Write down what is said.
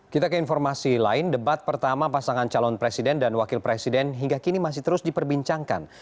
kita ke informasi lain debat pertama pasangan calon presiden dan wakil presiden hingga kini masih terus diperbincangkan